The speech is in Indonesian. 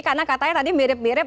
karena katanya tadi mirip mirip